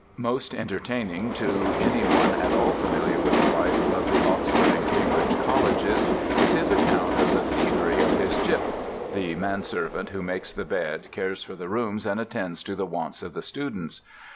Most entertaining to any one at all familiar with the life of the Oxford and Cambridge colleges is his account of the thievery of his "gyp" (the manservant who makes the bed, cares for the rooms, and attends to the wants of the students).